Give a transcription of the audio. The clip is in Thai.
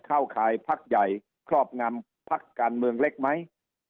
เข้าข่ายพักใหญ่ครอบงำพักการเมืองเล็กไหม